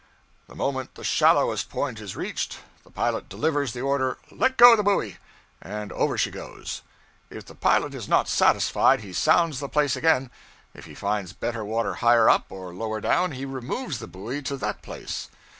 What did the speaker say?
The moment the shallowest point is reached, the pilot delivers the order, 'Let go the buoy!' and over she goes. If the pilot is not satisfied, he sounds the place again; if he finds better water higher up or lower down, he removes the buoy to that place.